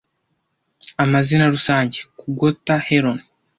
Amazina rusange - kugota Heron